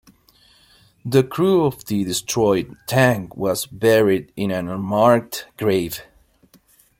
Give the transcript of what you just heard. The crew of the destroyed tank was buried in an unmarked grave.